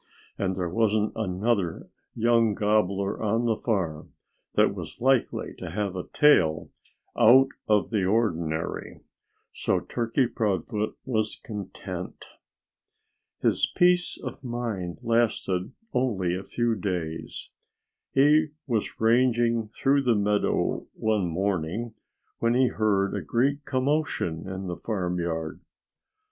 And there wasn't another young gobbler on the farm that was likely to have a tail out of the ordinary. So Turkey Proudfoot was content. His peace of mind lasted only a few days. He was ranging through the meadow one morning when he heard a great commotion in the farmyard.